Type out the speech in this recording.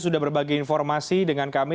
sudah berbagi informasi dengan kami